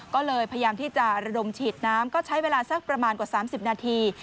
ก็เลยพยายามที่จะระดมฉีดน้ำก็ใช้เวลาสักประมาณกว่า๓๐นาที